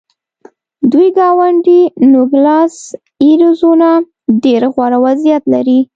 د دوی ګاونډی نوګالس اریزونا ډېر غوره وضعیت لري.